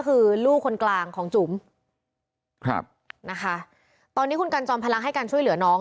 คือลูกคนกลางของจุ๋มครับนะคะตอนนี้คุณกันจอมพลังให้การช่วยเหลือน้อง